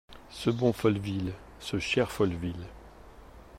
Ce bon Folleville !… ce cher Folleville !